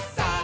さあ！